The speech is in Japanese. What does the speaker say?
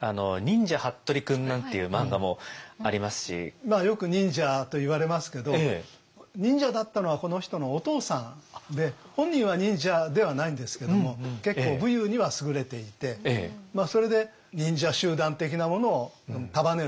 まあよく忍者といわれますけど忍者だったのはこの人のお父さんで本人は忍者ではないんですけども結構武勇には優れていてそれで忍者集団的なものを束ねる。